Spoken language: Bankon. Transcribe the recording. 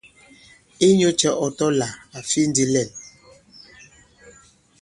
Inyūcɛ̄ ɔ tɔ̄ là à fi ndī lɛ᷇n?